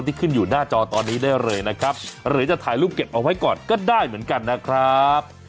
ที่ขึ้นอยู่หน้าจอตอนนี้ได้เลยนะครับหรือจะถ่ายรูปเก็บเอาไว้ก่อนก็ได้เหมือนกันนะครับ